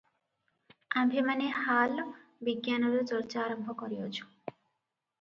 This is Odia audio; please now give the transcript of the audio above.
ଆମ୍ଭେମାନେ ହାଲ ବିଜ୍ଞାନର ଚର୍ଚ୍ଚା ଆରମ୍ଭ କରିଅଛୁଁ ।